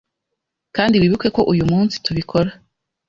kandi wibuke ko uyu munsi tubikora